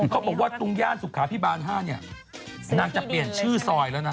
เขาบอกว่าตรงย่านสุขาพิบาล๕เนี่ยนางจะเปลี่ยนชื่อซอยแล้วนะ